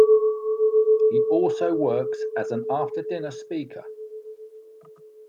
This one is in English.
He also works as an after dinner speaker.